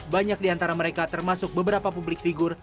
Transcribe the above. banyak diantara mereka termasuk beberapa publik figur